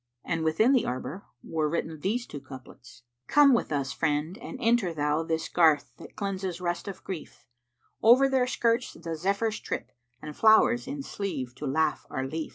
And within the arbour were written these two couplets, "Come with us, friend, and enter thou * This garth that cleanses rust of grief: Over their skirts the Zephyrs trip[FN#382] * And flowers in sleeve to laugh are lief."